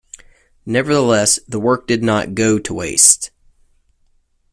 Nevertheless the work did not go to waste.